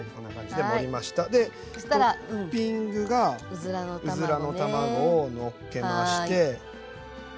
でトッピングがうずらの卵をのっけまして。